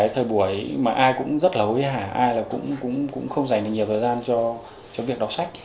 thời buổi mà ai cũng rất là hối hả ai cũng không dành được nhiều thời gian cho việc đọc sách